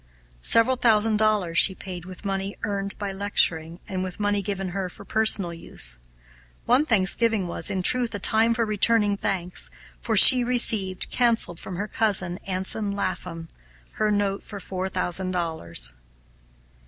Several thousand dollars she paid with money earned by lecturing, and with money given her for personal use. One Thanksgiving was, in truth, a time for returning thanks; for she received, canceled, from her cousin, Anson Lapham, her note for four thousand dollars.